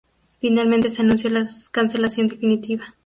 Finalmente se anunció la cancelación definitiva.